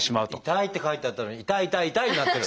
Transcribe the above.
「痛い！」って書いてあったのに「痛い！痛い！痛い！」になってる。